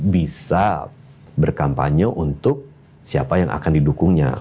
bisa berkampanye untuk siapa yang akan didukungnya